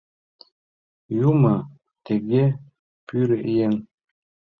Юмо тыге пӱре-эн.